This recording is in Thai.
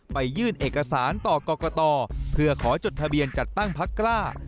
ยื่นเอกสารต่อกรกตเพื่อขอจดทะเบียนจัดตั้งพักกล้า